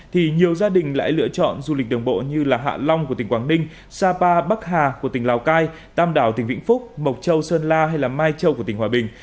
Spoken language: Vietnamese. thì nhiều gia đình lại lựa chọn du lịch đường bộ như hạ long của tỉnh quảng ninh sapa bắc hà của tỉnh lào cai tam đảo tỉnh vĩnh phúc mộc châu sơn la hay mai châu của tỉnh hòa bình